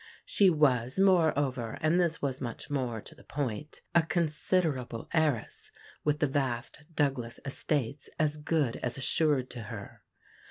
She was, moreover (and this was much more to the point), a considerable heiress, with the vast Douglas estates as good as assured to her.